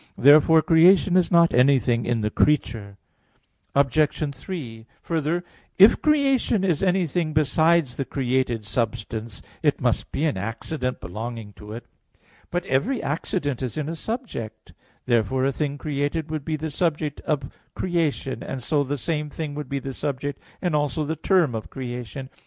Therefore creation is not anything in the creature. Obj. 3: Further, if creation is anything besides the created substance, it must be an accident belonging to it. But every accident is in a subject. Therefore a thing created would be the subject of creation, and so the same thing would be the subject and also the term of creation.